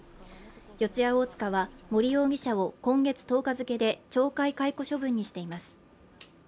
四谷大塚は森容疑者を今月１０日付で懲戒解雇処分としています。